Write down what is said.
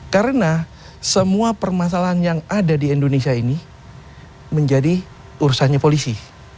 karena semua permasalahan yang ada di indonesia ini menjadi urusannya polisi